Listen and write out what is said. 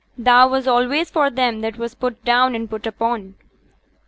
Thou was allays for them that was down and put upon.'